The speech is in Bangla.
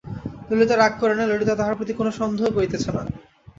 ললিতা রাগ করে নাই, ললিতা তাহার প্রতি কোনো সন্দেহ করিতেছে না।